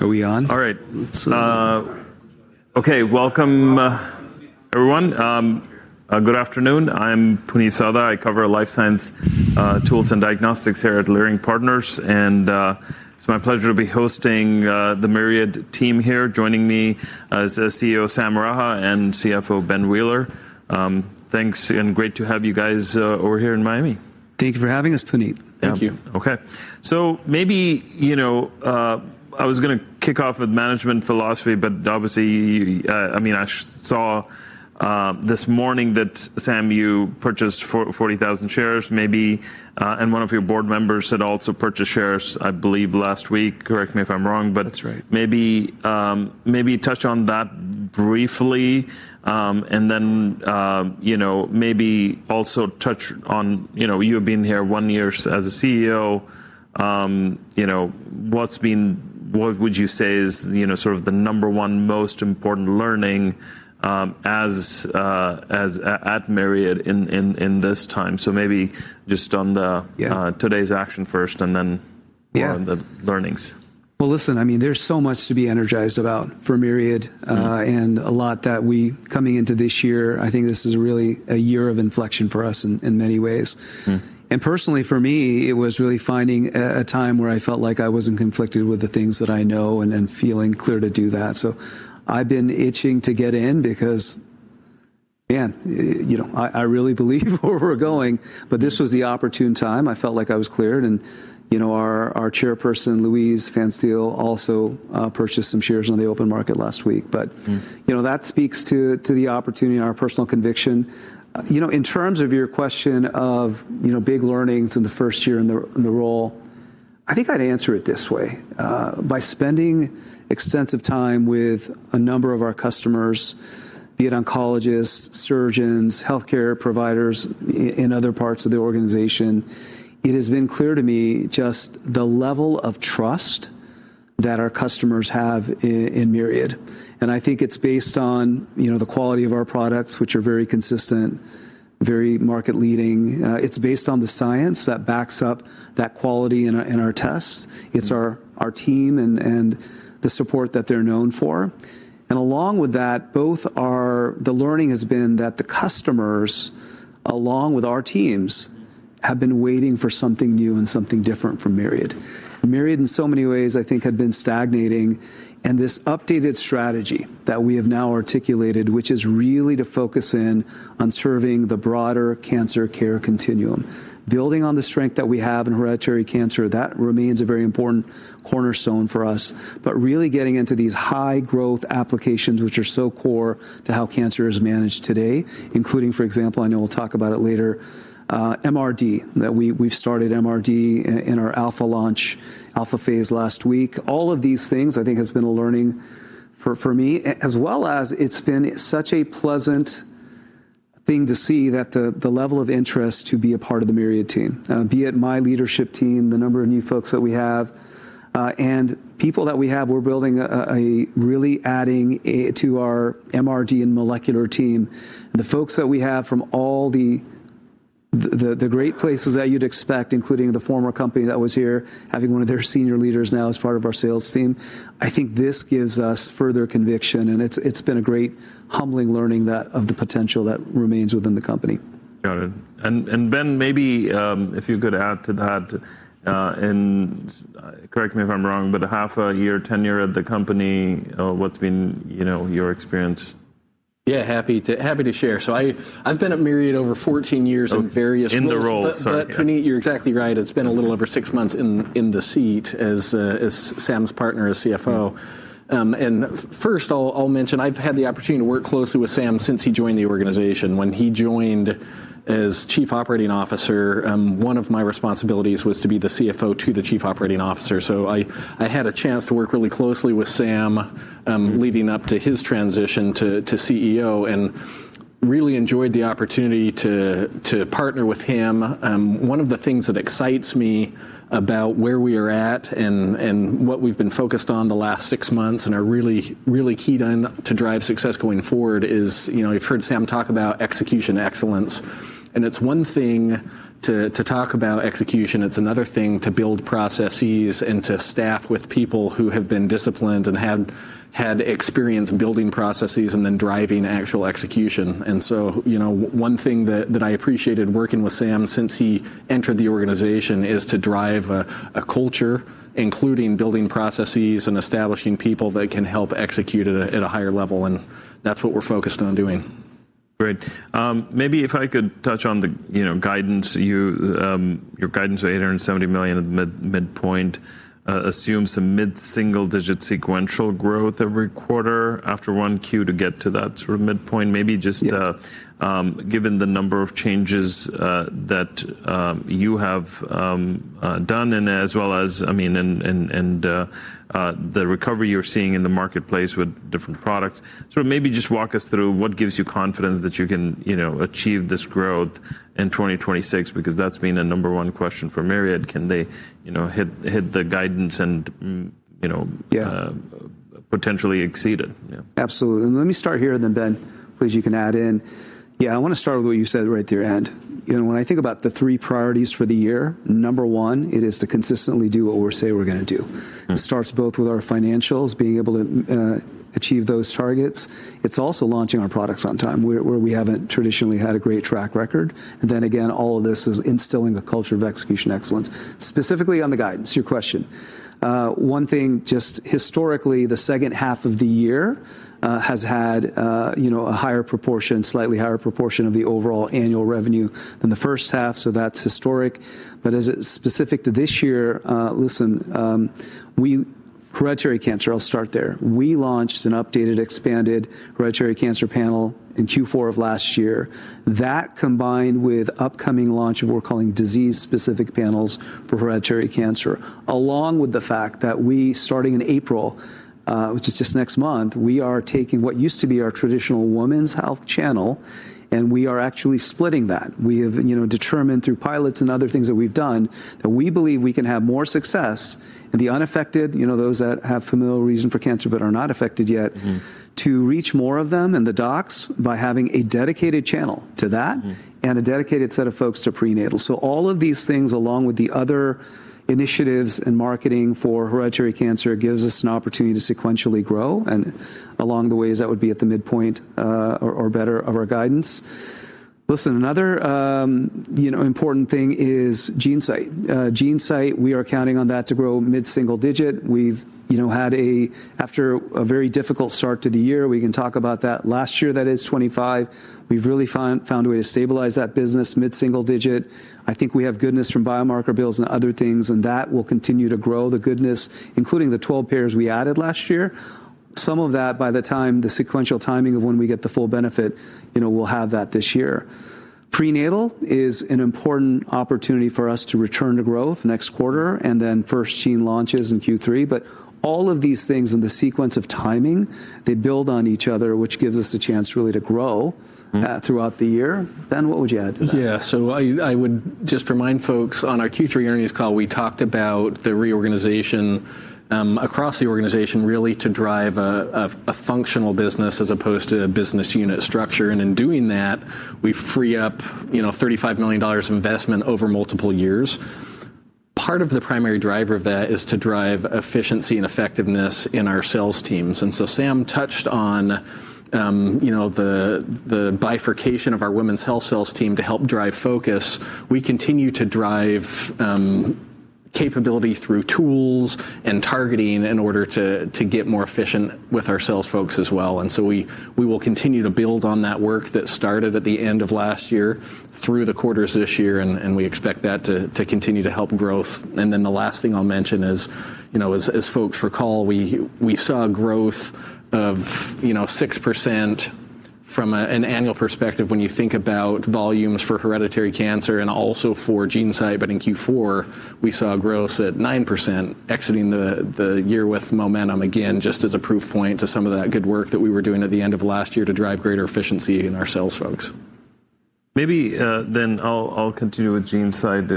Are we on? All right. Okay, welcome everyone. Good afternoon. I'm Puneet Souda. I cover Life Science Tools and Diagnostics here at Leerink Partners, and it's my pleasure to be hosting the Myriad team here. Joining me is CEO, Sam Raha and CFO, Ben Wheeler. Thanks, and great to have you guys over here in Miami. Thank you for having us, Puneet. Yeah. Thank you. Okay. Maybe, you know, I was gonna kick off with Management Philosophy, but obviously, I mean, I saw this morning that Sam, you purchased 40,000 shares maybe, and one of your Board Members had also purchased shares, I believe, last week. Correct me if I'm wrong, but. That's right. Maybe touch on that briefly. Then, you know, maybe also touch on, you know, you have been here one year as a CEO, you know, what would you say is, you know, sort of the number one most important learning as at Myriad in this time? Maybe just on the- Yeah Today's action first and then. Yeah on the learnings. Well, listen, I mean, there's so much to be energized about for Myriad. Mm-hmm Coming into this year, I think this is really a year of inflection for us in many ways. Mm-hmm. Personally for me, it was really finding a time where I felt like I wasn't conflicted with the things that I know and feeling clear to do that. I've been itching to get in because, man, you know, I really believe where we're going. This was the Opportune time. I felt like I was cleared and, you know, our Chairperson, Louise Phanstiel, also purchased some shares on the Open Market last week. Mm-hmm You know, that speaks to the opportunity and our personal conviction. You know, in terms of your question of, you know, big learnings in the first year in the role, I think I'd answer it this way. By spending extensive time with a number of our customers, be it Oncologists, Surgeons, Healthcare Providers in other parts of the organization, it has been clear to me just the level of trust that our customers have in Myriad. I think it's based on, you know, the quality of our products, which are very consistent, very market leading. It's based on the science that backs up that quality in our tests. Mm-hmm. It's our team and the support that they're known for. Along with that, the learning has been that the customers, along with our teams, have been waiting for something new and something different from Myriad. Myriad in so many ways, I think, had been stagnating and this updated strategy that we have now articulated, which is really to focus in Cancer Care Continuum. building on the strength that we have in Hereditary Cancer, that remains a very important cornerstone for us. Really getting into these high growth applications, which are so core to how cancer is managed today, including, for example, I know we'll talk about it later, MRD that we've started in our Alpha Launch, Alpha Phase last week. All of these things I think has been a learning for me, as well as it's been such a pleasant thing to see that the level of interest to be a part of the Myriad team, be it my Leadership Team, the number of new folks that we have, and people that we have. We're really adding to our MRD and Molecular Team. The folks that we have from all the great places that you'd expect, including the former company that was here, having one of their Senior Leaders now as part of our Sales Team. I think this gives us further conviction and it's been a great humbling learning of the potential that remains within the company. Got it. Ben, maybe if you could add to that and correct me if I'm wrong, but half a year tenure at the company, what's been, you know, your experience? Yeah, happy to share. I’ve been at Myriad over 14 years in various roles. Oh, in the role. Sorry, yeah. Puneet, you're exactly right. It's been a little over six months in the seat as Sam's partner as CFO. First I'll mention I've had the opportunity to work closely with Sam since he joined the organization. When he joined as Chief Operating Officer, one of my responsibilities was to be the CFO to the Chief Operating Officer. I had a chance to work really closely with Sam, leading up to his transition to CEO and really enjoyed the opportunity to partner with him. One of the things that excites me about where we are at and what we've been focused on the last six months and are really key to drive success going forward is, you know, you've heard Sam talk about Execution Excellence, and it's one thing to talk about execution. It's another thing to build processes and to staff with people who have been disciplined and have had experience building processes and then driving actual execution. One thing that I appreciated working with Sam since he entered the organization is to drive a Culture, including building processes and establishing people that can help execute at a higher level, and that's what we're focused on doing. Great. Maybe if I could touch on the, you know, guidance, your guidance of $870 million at the midpoint assumes some mid-single-digit sequential growth every quarter after 1Q to get to that sort of midpoint. Maybe just, Yeah Given the number of changes that you have done and as well as, I mean, and the recovery you're seeing in the marketplace with different products, sort of maybe just walk us through what gives you confidence that you can, you know, achieve this growth in 2026, because that's been a number one question for Myriad. Can they, you know, hit the guidance and, you know Yeah Potentially exceeded. Yeah. Absolutely. Let me start here, and then Ben, please, you can add in. Yeah, I want to start with what you said right at your end. You know, when I think about the three priorities for the year, Number 1, it is to consistently do what we say we're going to do. Mm-hmm. It starts both with our Financials, being able to, achieve those targets. It's also launching our products on time where we haven't traditionally had a great track record. Then again, all of this is instilling a Culture of Execution Excellence. Specifically on the Guidance, your question. One thing, just historically, the H2 of the year has had a higher proportion, slightly higher proportion of the overall Annual Revenue than the H1, so that's historic. Is it specific to this year? Listen, we Hereditary Cancer, I'll start there. We launched an updated, expanded Hereditary Cancer Panel in Q4 of last year. That combined with upcoming launch of what we're calling Disease-Specific Panels for Hereditary Cancer, along with the fact that we, starting in April, which is just next month, we are taking what used to be our traditional Women's Health Channel, and we are actually splitting that. We have, you know, determined through pilots and other things that we've done that we believe we can have more success in the unaffected, you know, those that have familial reason for cancer but are not affected yet. Mm-hmm to reach more of them and the docs by having a dedicated channel to that. Mm-hmm A dedicated set of folks to Prenatal. All of these things, along with the other initiatives and marketing for Hereditary Cancer, gives us an opportunity to sequentially grow, and along the way that would be at the midpoint or better of our guidance. Another, you know, important thing is GeneSight. GeneSight, we are counting on that to grow mid-single-digit %. We've, you know, had, after a very difficult start to the year, we can talk about that. Last year, that is, 2025, we've really found a way to stabilize that business mid-single-digit %. I think we have goodness from Biomarker Bills and other things, and that will continue to grow the goodness, including the 12 payers we added last year. Some of that, by the time the sequential timing of when we get the full benefit, you know, we'll have that this year. Prenatal is an important opportunity for us to return to growth next quarter, and then FirstGene launches in Q3. All of these things and the sequence of timing, they build on each other, which gives us a chance really to grow. Mm-hmm throughout the year. Ben, what would you add to that? Yeah. I would just remind folks on our Q3 earnings call, we talked about the reorganization across the organization really to drive a Functional business as opposed to a Business Unit Structure. In doing that, we free up, you know, $35 million investment over multiple years. Part of the primary driver of that is to drive Efficiency and Effectiveness in our Sales Teams. Sam touched on the bifurcation of our women's Health Sales Team to help drive focus. We continue to drive capability through tools and targeting in order to get more efficient with our sales folks as well. We will continue to build on that work that started at the end of last year through the quarters this year, and we expect that to continue to help growth. Then the last thing I'll mention is, you know, as folks recall, we saw growth of, you know, 6% from an annual perspective when you think about volumes for Hereditary Cancer and also for GeneSight. In Q4, we saw growth at 9%, exiting the year with momentum again, just as a proof point to some of that good work that we were doing at the end of last year to drive greater efficiency in our sales folks. Maybe I'll continue with GeneSight.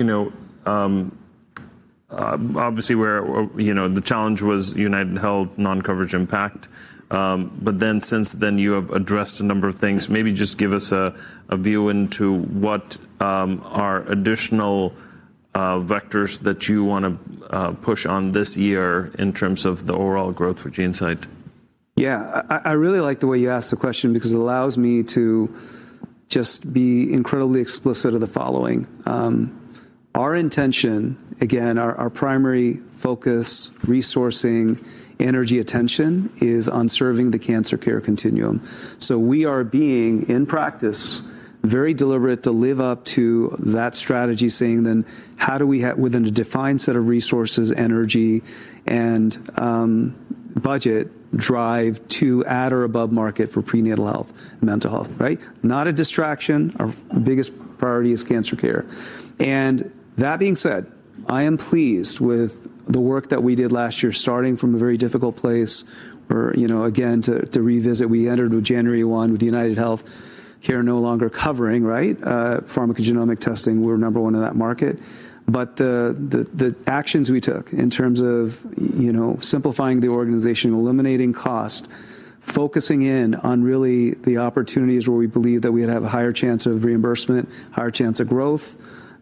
You know, obviously we're you know the challenge was UnitedHealth non-coverage impact. Since then, you have addressed a number of things. Maybe just give us a view into what are additional vectors that you want to push on this year in terms of the overall growth for GeneSight. Yeah. I really like the way you asked the question because it allows me to just be incredibly explicit of the following. Our intention, again, our primary focus, resourcing energy, attention Cancer Care Continuum. we are being, in practice, very deliberate to live up to that strategy, saying then how do we within a defined set of resources, energy, and budget drive to at or above market for Prenatal Health and Mental Health, right? Not a distraction. Our biggest priority is Cancer Care. That being said, I am pleased with the work that we did last year, starting from a very difficult place where, you know, again, to revisit, we entered with January 1 with UnitedHealthcare no longer covering, right? Pharmacogenomic testing, we're number one in that market. The actions we took in terms of, you know, simplifying the organization, eliminating cost, focusing in on really the opportunities where we believe that we'd have a higher chance of reimbursement, higher chance of growth,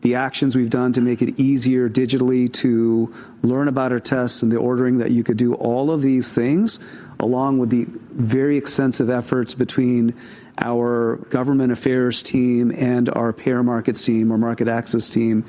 the actions we've done to make it easier digitally to learn about our tests and the ordering that you could do all of these things, along with the very extensive efforts between our Government Affairs Team and our Payer Markets Team or Market Access Team,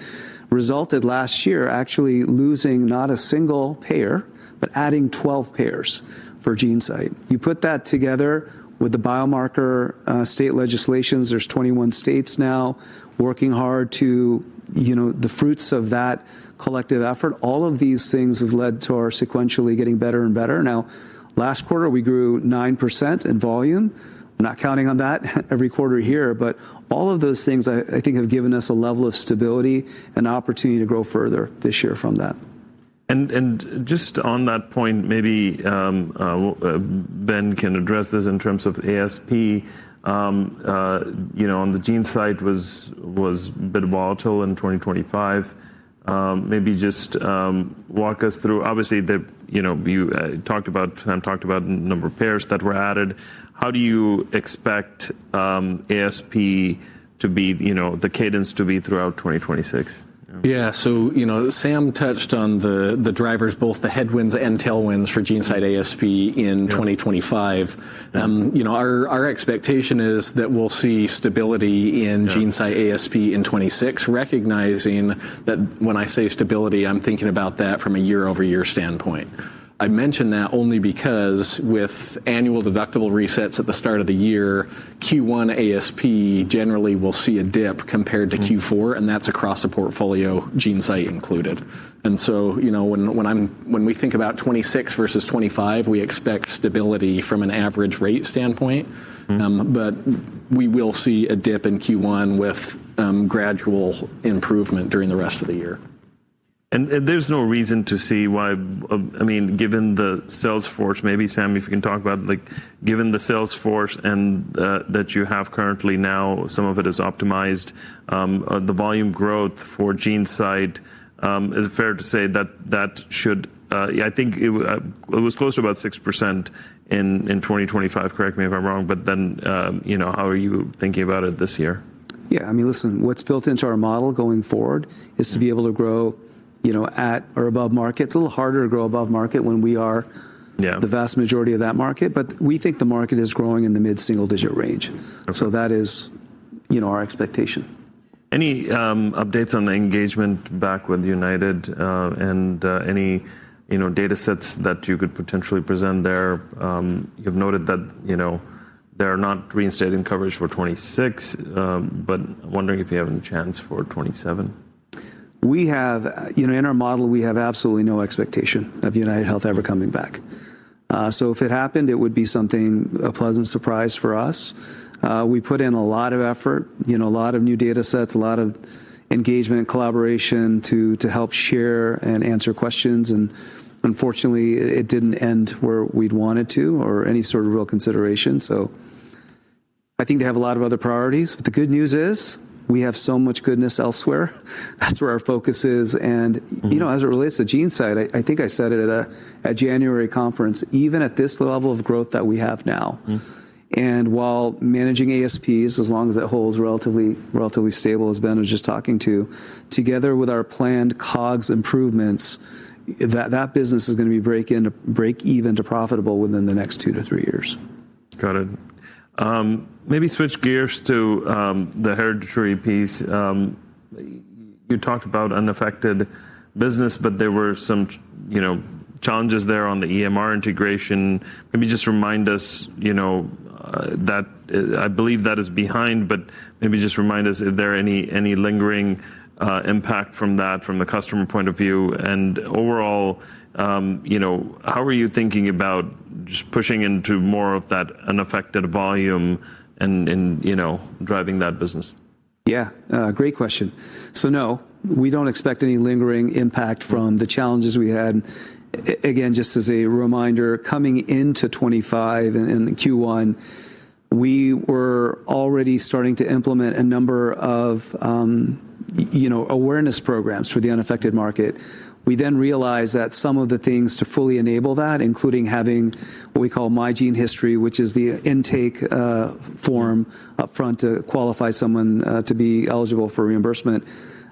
resulted last year actually losing not a single payer, but adding 12 payers for GeneSight. You put that together with the Biomarker State Legislation. There's 21 states now working hard to, you know, the fruits of that collective effort. All of these things have led to our sequentially getting better and better. Now, last quarter, we grew 9% in volume. I'm not counting on that every quarter here, but all of those things I think have given us a level of stability and opportunity to grow further this year from that. Just on that point, maybe Ben can address this in terms of ASP. You know, on the GeneSight was a bit volatile in 2025. Maybe just walk us through. Obviously, you know, Sam talked about number of pairs that were added. How do you expect ASP to be, you know, the cadence to be throughout 2026? Yeah. You know, Sam touched on the drivers, both the Headwinds and Tailwinds for GeneSight ASP in 2025. Yeah. You know, our expectation is that we'll see stability in GeneSight. Yeah ASP in 2026, recognizing that when I say stability, I'm thinking about that from a year-over-year standpoint. I mention that only because with annual deductible resets at the start of the year, Q1 ASP generally will see a dip compared to Q4, and that's across the portfolio, GeneSight included. You know, when we think about 2026 versus 2025, we expect stability from an average rate standpoint. Mm-hmm. We will see a dip in Q1 with gradual improvement during the rest of the year. There's no reason to see why, I mean, given the Sales Force, maybe Sam, if you can talk about like, given the Sales Force and that you have currently now, some of it is optimized, the volume growth for GeneSight, is it fair to say that should? Yeah, I think it was close to about 6% in 2025, correct me if I'm wrong, but then, you know, how are you thinking about it this year? Yeah. I mean, listen, what's built into our model going forward is to be able to grow, you know, at or above market. It's a little harder to grow above market when we are. Yeah The vast majority of that market, but we think the market is growing in the mid-single-digit range. Okay. that is, you know, our expectation. Any updates on the engagement back with United, and any, you know, datasets that you could potentially present there? You've noted that, you know, they're not reinstating coverage for 2026, but wondering if you have any chance for 2027. You know, in our model, we have absolutely no expectation of UnitedHealth ever coming back. If it happened, it would be something, a pleasant surprise for us. We put in a lot of effort, you know, a lot of new data sets, a lot of engagement and collaboration to help share and answer questions, and unfortunately, it didn't end where we'd want it to or any sort of real consideration. I think they have a lot of other priorities. The good news is we have so much goodness elsewhere. That's where our focus is. Mm-hmm You know, as it relates to GeneSight, I think I said it at a January conference, even at this level of growth that we have now. Mm-hmm While managing ASPs, as long as that holds relatively stable as Ben was just talking to, together with our planned COGS improvements, that business is gonna be break even to profitable within the next two-three years. Got it. Maybe switch gears to the hereditary piece. You talked about unaffected business, but there were some, you know, challenges there on the EMR integration. Maybe just remind us, you know, that I believe that is behind, but maybe just remind us if there are any lingering impact from that, from the customer point of view. Overall, you know, how are you thinking about just pushing into more of that unaffected volume and you know, driving that business? Yeah. Great question. No, we don't expect any lingering impact from the challenges we had. Again, just as a reminder, coming into 2025 in the Q1, we were already starting to implement a number of, you know, awareness programs for the unaffected market. We then realized that some of the things to fully enable that, including having what we call MyGeneHistory, which is the intake form upfront to qualify someone to be eligible for reimbursement.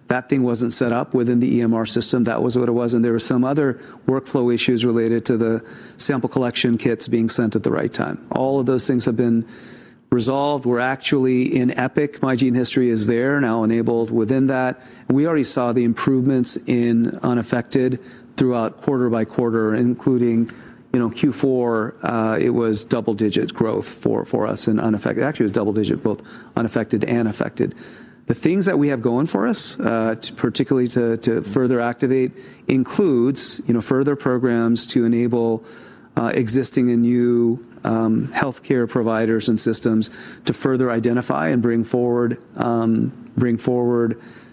That thing wasn't set up within the EMR system. That was what it was, and there were some other workflow issues related to the sample collection kits being sent at the right time. All of those things have been resolved. We're actually in Epic. MyGeneHistory is there, now enabled within that. We already saw the improvements in unaffected throughout quarter-by-quarter, including, you know, Q4. It was double-digit growth for us in unaffected. Actually, it was double-digit, both unaffected and affected. The things that we have going for us to particularly further activate includes, you know, further programs to enable existing and new Healthcare Providers and Systems to further identify and bring forward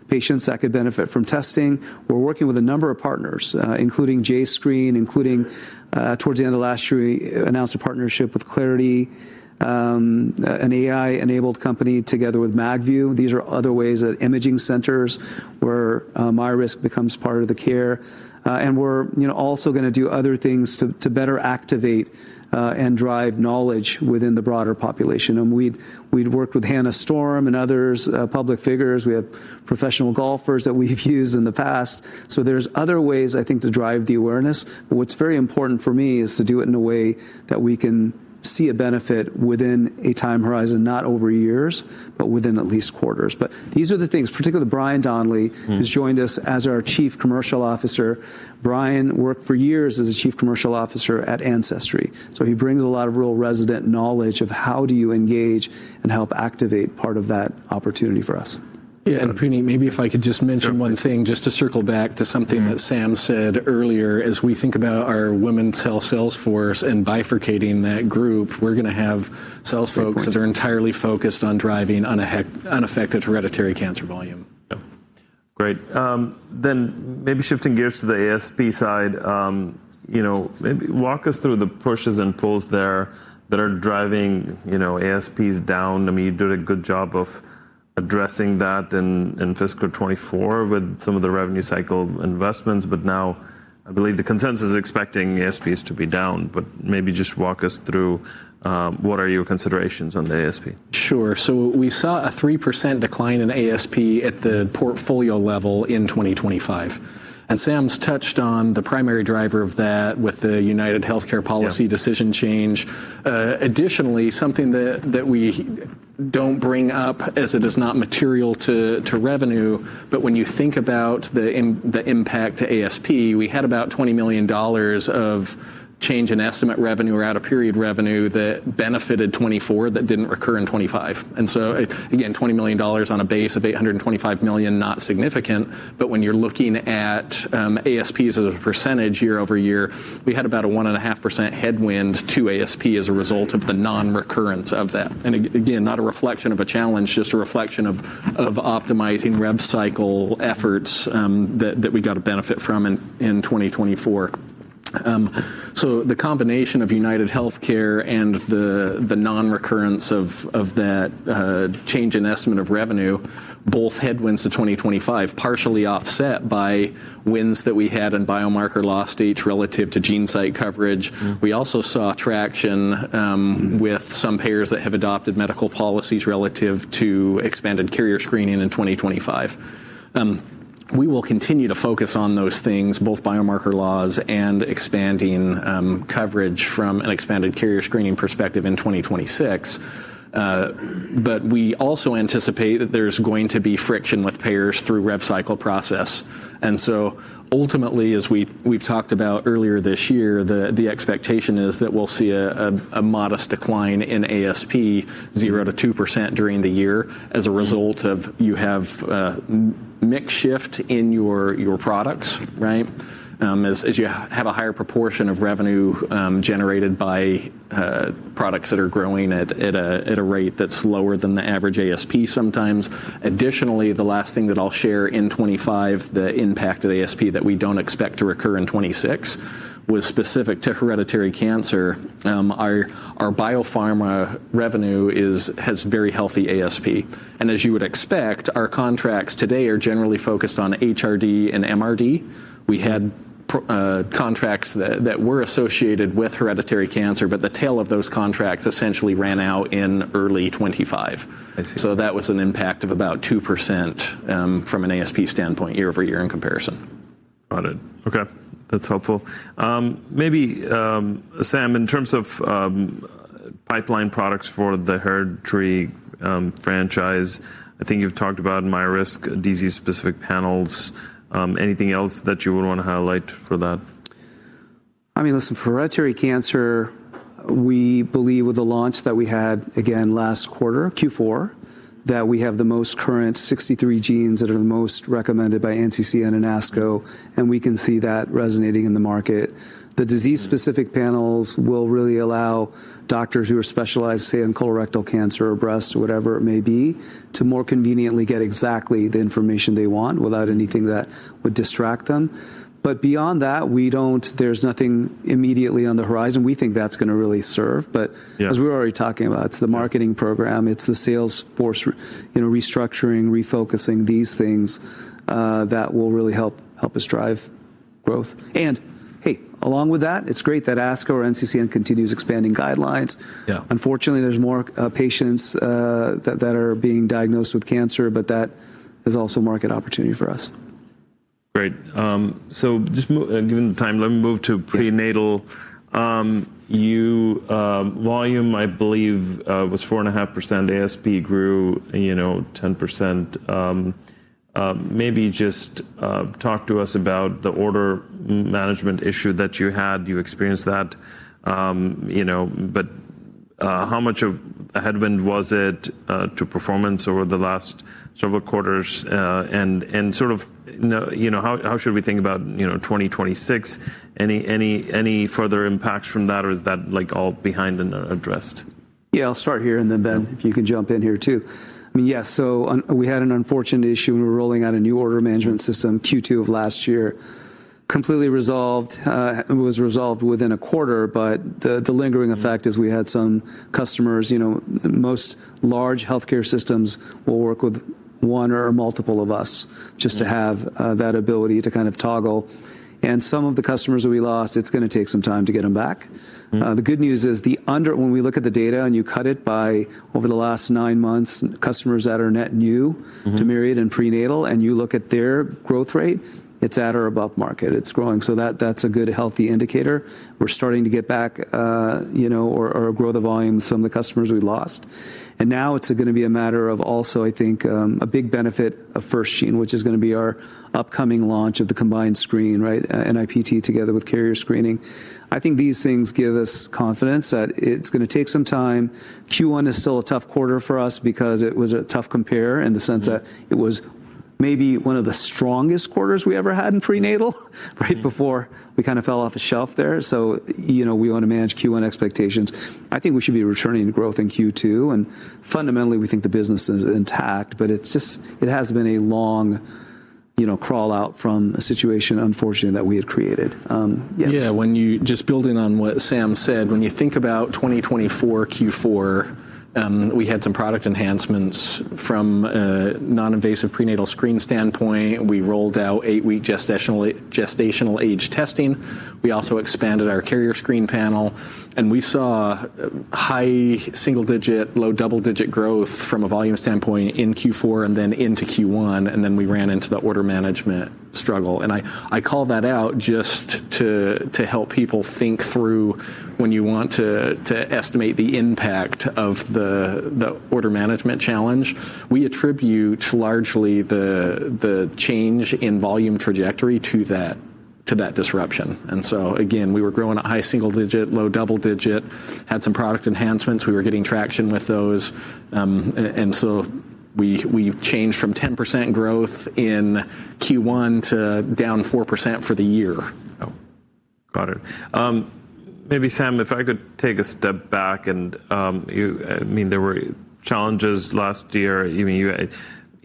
patients that could benefit from testing. We're working with a number of partners, including jscreen. Towards the end of last year, we announced a partnership with Clairity, an AI-enabled company together with MagView. These are other ways that imaging centers where MyRisk becomes part of the care. We're, you know, also gonna do other things to better activate and drive knowledge within the broader population. We'd worked with Hannah Storm and others, public figures. We have Professional Golfers that we've used in the past. There's other ways, I think, to drive the awareness. What's very important for me is to do it in a way that we can see a benefit within a time horizon, not over years, but within at least quarters. These are the things, particularly Brian Donnelly. Mm-hmm Who's joined us as our Chief Commercial Officer. Brian worked for years as a Chief Commercial Officer at Ancestry, so he brings a lot of real relevant knowledge of how to engage and help activate part of that opportunity for us. Yeah. Puni, maybe if I could just mention one thing, just to circle back to something that Sam said earlier. As we think about our Women's Health Sales Force and Bifurcating that group, we're gonna have sales folks- Great point. that are entirely focused on driving unaffected Hereditary Cancer volume. Maybe shifting gears to the ASP side, you know, maybe walk us through the pushes and pulls there that are driving, you know, ASPs down. I mean, you did a good job of addressing that in fiscal 2024 with some of the Revenue Cycle Investments, but now I believe the Consensus is expecting ASPs to be down. Maybe just walk us through what are your considerations on the ASP. Sure. We saw a 3% decline in ASP at the portfolio level in 2025. Sam's touched on the primary driver of that with the UnitedHealthcare policy decision change. Additionally, something that we don't bring up as it is not Material to Revenue, but when you think about the impact to ASP, we had about $20 million of change in estimate revenue or out-of-period revenue that benefited 2024 that didn't recur in 2025. Again, $20 million on a base of $825 million, not significant. When you're looking at ASPs as a percentage year-over-year, we had about a 1.5% headwind to ASP as a result of the non-recurrence of that. Again, not a reflection of a challenge, just a reflection of optimizing rev cycle efforts that we got a benefit from in 2024. The combination of UnitedHealthcare and the non-recurrence of that change in estimate of revenue both headwinds to 2025, partially offset by wins that we had in Biomarker Law states relative to GeneSight coverage. Mm-hmm. We also saw traction with some payers that have Adopted Medical Policies relative to expanded carrier screening in 2025. We will continue to focus on those things, Biomarker Laws and expanding coverage from an expanded carrier screening perspective in 2026. We also anticipate that there's going to be friction with payers through rev cycle process. Ultimately, as we've talked about earlier this year, the expectation is that we'll see a modest decline in ASP, 0%-2% during the year as a result of mix shift in your products, right? As you have a higher proportion of revenue generated by products that are growing at a rate that's lower than the average ASP sometimes. Additionally, the last thing that I'll share in 2025, the impact of ASP that we don't expect to recur in 2026 was specific to Hereditary Cancer. Our Biopharma Revenue has very healthy ASP. As you would expect, our contracts today are generally focused on HRD and MRD. We had contracts that were associated with Hereditary Cancer, but the tail of those contracts essentially ran out in early 2025. I see. That was an impact of about 2% from an ASP standpoint year-over-year in comparison. Got it. Okay. That's helpful. Maybe, Sam, in terms of Pipeline products for the Hereditary franchise, I think you've talked about MyRisk, disease-specific panels. Anything else that you would want to highlight for that? I mean, listen, for Hereditary Cancer, we believe with the launch that we had, again, last quarter, Q4, that we have the most current 63 genes that are the most recommended by NCCN and ASCO, and we can see that resonating in the market. The disease-specific panels will really allow Doctors who are specialized, say, in Colorectal Cancer or Breast, whatever it may be, to more conveniently get exactly the information they want without anything that would distract them. Beyond that, there's nothing immediately on the horizon. We think that's going to really serve. Yeah. As we're already talking about, it's the marketing program, it's the Sales Force, you know, restructuring, refocusing these things, that will really help us drive growth. Hey, along with that, it's great that ASCO or NCCN continues expanding guidelines. Yeah. Unfortunately, there's more patients that are being diagnosed with cancer, but that is also market opportunity for us. Great. Given the time, let me move to Prenatal. Your volume, I believe, was 4.5%. ASP grew, you know, 10%. Maybe just talk to us about the Order Management issue that you had. You experienced that, you know, but how much of a headwind was it to performance over the last several quarters? Sort of, you know, how should we think about 2026? Any further impacts from that, or is that, like, all behind and addressed? Yeah, I'll start here, and then, Ben, you can jump in here too. I mean, yes. We had an unfortunate issue when we were rolling out a New Order Management System Q2 of last year. Completely resolved. It was resolved within a quarter, but the lingering effect is we had some customers, you know, most large Healthcare Systems will work with one or multiple of us just to have that ability to kind of toggle. Some of the customers that we lost, it's going to take some time to get them back. Mm-hmm. The good news is, when we look at the data and you cut it by over the last nine months, customers that are net new- Mm-hmm. To Myriad and Prenatal, and you look at their growth rate, it's at or above market. It's growing. That's a good, healthy indicator. We're starting to get back, you know, or grow the volume of some of the customers we lost. Now it's going to be a matter of also, I think, a big benefit of FirstGene, which is going to be our upcoming launch of the combined screen, right? NIPT together with carrier screening. I think these things give us confidence that it's going to take some time. Q1 is still a tough quarter for us because it was a tough compare in the sense that it was maybe one of the strongest quarters we ever had in Prenatal right before we kind of fell off the shelf there. You know, we want to manage Q1 expectations. I think we should be returning to growth in Q2, and fundamentally, we think the business is intact, but it has been a long, you know, crawl out from a situation, unfortunately, that we had created. Yeah, just building on what Sam said, when you think about 2024 Q4, we had some product enhancements from a Non-Invasive Prenatal Screen standpoint. We rolled out eight-week Gestational Age Testing. We also expanded our Carrier Screen Panel, and we saw high single-digit, low double-digit growth from a volume standpoint in Q4 and then into Q1, and then we ran into the order management struggle. I call that out just to help people think through when you want to estimate the impact of the order management challenge. We attribute largely the change in volume trajectory to that disruption. Again, we were growing at high single-digit, low double-digit, had some product enhancements. We were getting traction with those. We've changed from 10% growth in Q1 to down 4% for the year. Oh. Got it. Maybe Sam, if I could take a step back and I mean, there were challenges last year. I mean, you had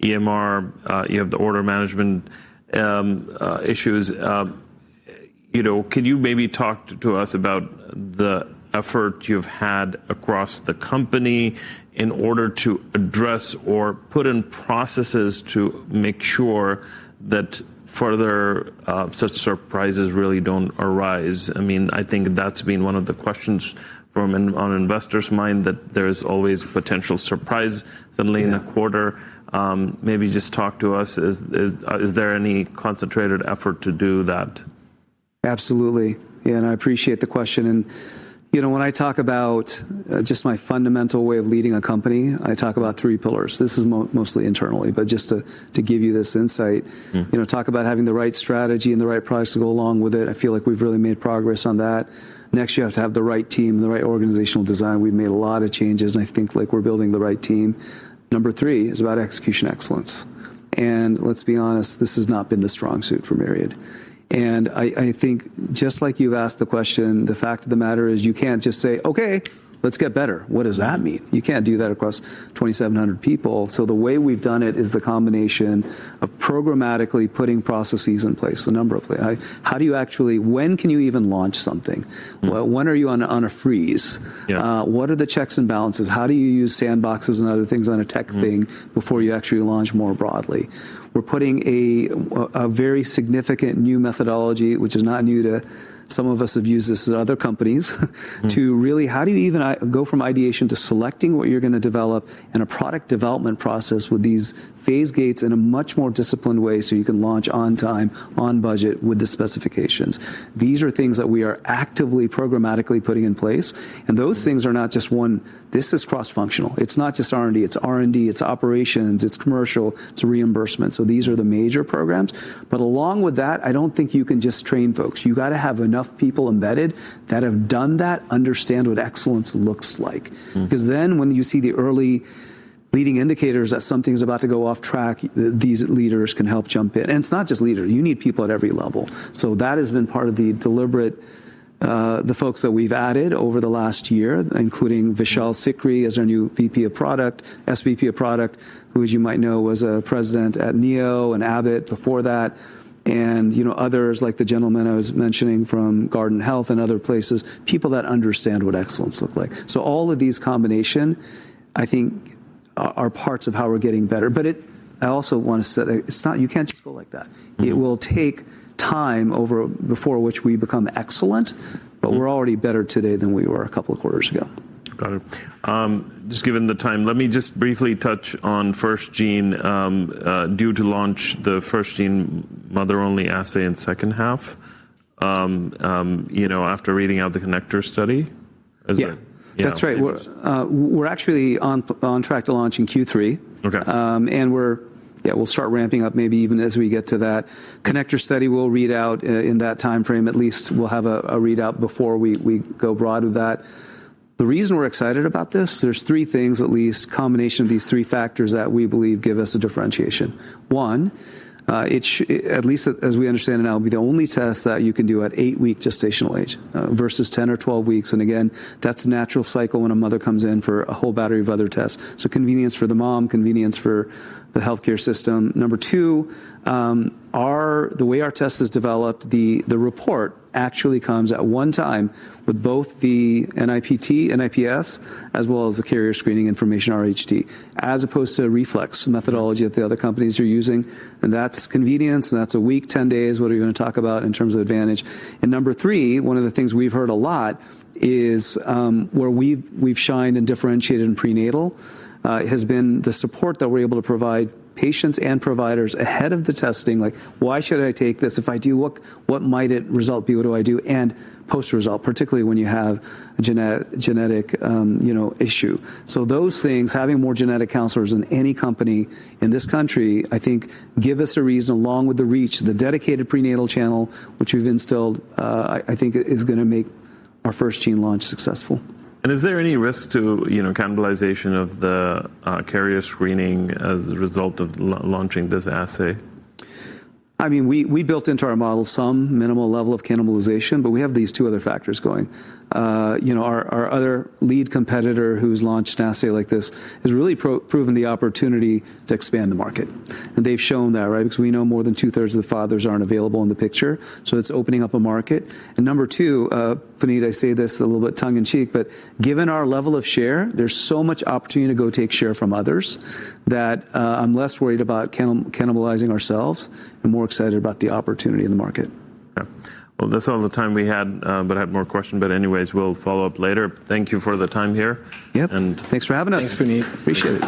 EMR, you have the order management issues. You know, can you maybe talk to us about the effort you've had across the company in order to address or put in processes to make sure that further such surprises really don't arise? I mean, I think that's been one of the questions from an Investor's mind, that there's always potential surprise suddenly. Yeah in a quarter. Maybe just talk to us. Is there any concentrated effort to do that? Absolutely. Yeah, I appreciate the question. You know, when I talk about just my fundamental way of leading a company, I talk about three pillars. This is mostly internally, but just to give you this insight. Mm. You know, talk about having the right strategy and the right products to go along with it. I feel like we've really made progress on that. Next, you have to have the right Team, the right Organizational Design. We've made a lot of changes, and I think, like, we're building the right Team. Number 3 is about Execution Excellence. Let's be honest, this has not been the strong suit for Myriad. I think, just like you've asked the question, the fact of the matter is you can't just say, "Okay, let's get better." What does that mean? You can't do that across 2,700 people. The way we've done it is the combination of programmatically putting processes in place. How do you actually launch something? When can you even launch something? Mm. When are you on a freeze? Yeah. What are the checks and balances? How do you use sandboxes and other things on a tech thing? Mm before you actually launch more broadly? We're putting a very significant new methodology, which is not new. Some of us have used this at other companies. Mm To really how do you even go from Ideation to selecting what you're going to develop in a product development process with these phase gates in a much more disciplined way so you can launch on time, on budget with the specifications? These are things that we are actively programmatically putting in place, and those things are not just one. This is cross-functional. It's not just R&D. It's R&D, it's operations, it's commercial, it's reimbursement. These are the major programs. Along with that, I don't think you can just train folks. You gotta have enough people embedded that have done that, understand what excellence looks like. Mm. 'Cause then when you see the early leading indicators that something's about to go off track, these leaders can help jump in. It's not just leaders. You need people at every level. That has been part of the deliberate, the folks that we've added over the last year, including Vishal Sikri as our new SVP of product, who as you might know, was a president at Neo and Abbott before that. You know, others like the gentleman I was mentioning from Guardant Health and other places, people that understand what excellence look like. All of these combination, I think, are parts of how we're getting better. I also want to say that it's not. You can't just go like that. Mm. It will take time, however, before we become excellent. Mm We're already better today than we were a couple of quarters ago. Got it. Just given the time, let me just briefly touch on FirstGene. Due to launch the FirstGene mother-only assay in H2, you know, after reading out the CONNECTOR study. Yeah. Yeah. That's right. We're actually on track to launch in Q3. Okay. We'll start ramping up maybe even as we get to that CONNECTOR study. We'll read out in that timeframe. At least we'll have a readout before we go broad with that. The reason we're excited about this, there's three things at least, combination of these three factors that we believe give us a differentiation. One, at least as we understand it now, it'll be the only test that you can do at eight-week gestational age versus 10 or 12 weeks. Again, that's natural cycle when a mother comes in for a whole battery of other tests. Convenience for the mom, convenience for the Healthcare System. Number 2, the way our test is developed, the report actually comes at one time with both the NIPT, NIPS, as well as the Carrier Screening Information, RhD, as opposed to a reflex methodology that the other companies are using. That's convenience, and that's a week, 10 days, what are we going to talk about in terms of advantage. Number 3, one of the things we've heard a lot is, where we've shined and differentiated in Prenatal, has been the support that we're able to provide patients and providers ahead of the testing. Like, "Why should I take this? If I do, what might the result be? What do I do?" Post-result, particularly when you have a genetic issue. Those things, having more genetic counselors than any company in this country, I think give us a reason, along with the reach, the dedicated prenatal channel which we've instilled, I think is going to make our FirstGene launch successful. Is there any risk to, you know, Cannibalization of the carrier screening as a result of launching this assay? I mean, we built into our model some minimal level of Cannibalization, but we have these two other factors going. You know, our other lead competitor who's launched an assay like this has really proven the opportunity to expand the market, and they've shown that, right? Because we know more than 2/3 of the fathers aren't available in the picture, so it's opening up a market. Number 2, Puneet, I say this a little bit tongue in cheek, but given our level of share, there's so much opportunity to go take share from others that, I'm less worried about cannibalizing ourselves and more excited about the opportunity in the market. Yeah. Well, that's all the time we had, but I have more question, but anyways, we'll follow up later. Thank you for the time here. Yep. And- Thanks for having us. Thanks, Puneet. Appreciate it.